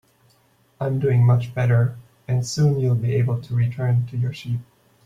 I'm doing much better, and soon you'll be able to return to your sheep.